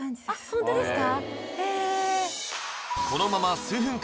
あっホントですか？